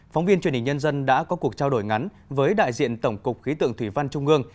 phóng viên truyền hình nhân dân đã có cuộc trao đổi ngắn với đại diện tổng cục khí tượng thủy văn trung ương